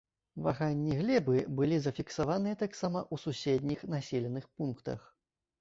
Ваганні глебы былі зафіксаваныя таксама ў суседніх населеных пунктах.